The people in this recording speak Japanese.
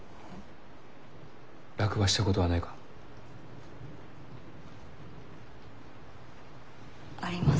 落馬したことはないか？あります。